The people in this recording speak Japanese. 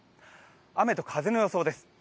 雨と風の予想です。